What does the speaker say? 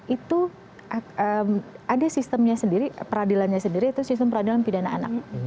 itu ada sistemnya sendiri peradilannya sendiri itu sistem peradilan pidana anak